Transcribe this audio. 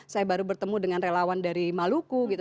saya baru bertemu dengan relawan dari maluku gitu